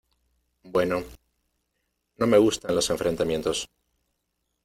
Bueno... No me gustan los enfrentamientos .